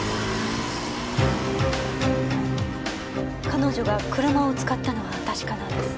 彼女が車を使ったのは確かなんです。